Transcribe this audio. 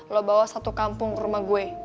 lo bawa satu kampung ke rumah gue